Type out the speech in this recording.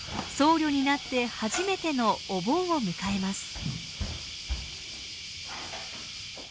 僧侶になって初めてのお盆を迎えます。